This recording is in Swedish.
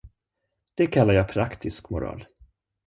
Det kallar jag praktisk moral.